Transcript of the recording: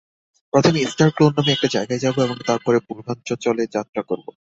প্রথমে star clone নামে একটা জায়গায় যাব এবং তার পরে পূর্বাঞ্চচলে যাত্রা করব।